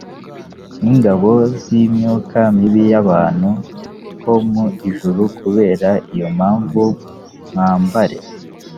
n ingabo z imyuka mibir y ahantu ho mu ijuru kubera iyo mpamvu mwambare